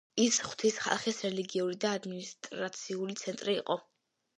ის ღვთის ხალხის რელიგიური და ადმინისტრაციული ცენტრი იყო.